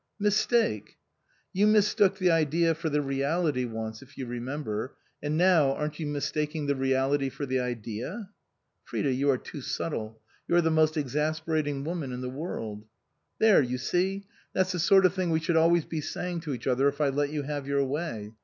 "Mistake?" " You mistook the idea for the reality once, if you remember, and now aren't you mistaking the reality for the idea ?"" Frida, you are too subtle ; you are the most exasperating woman in the world" " There, you see. That's the sort of thing we should always be saying to each other if I let you have your way.